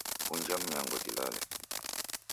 W'unja mnyango dilale